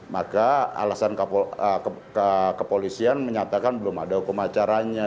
maka alasan kepolisian menyatakan belum ada hukum acaranya